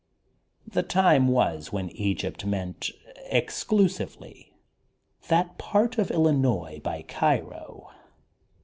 The time was when * Egypt* meant, exclu sively, that part of Illinois by Cairo.